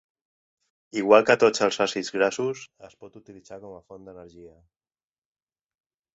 Igual que tots els àcids grassos, es pot utilitzar com a font d'energia.